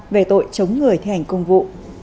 về tội chống người thi hành công vụ